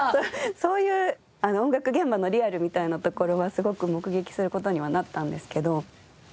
そういう音楽現場のリアルみたいなところはすごく目撃する事にはなったんですけど。